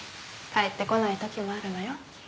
帰ってこない時もあるのよ。